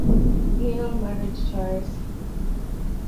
Neal married twice.